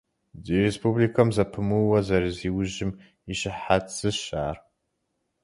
Ди республикэм зэпымыууэ зэрызиужьым и щыхьэт зыщ ар.